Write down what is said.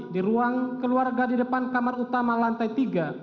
di ruang keluarga di depan kamar utama lantai tiga